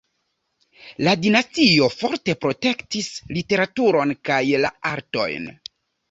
La dinastio forte protektis literaturon kaj la artojn.